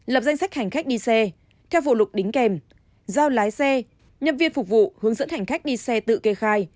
lập danh sách hành khách đi xe theo vụ lục đính kèm giao lái xe nhân viên phục vụ hướng dẫn hành khách đi xe tự kê khai